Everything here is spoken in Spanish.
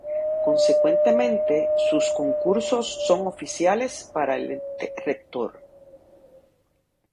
Consecuentemente, sus concursos son oficiales para el ente rector.